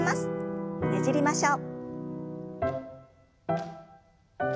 ねじりましょう。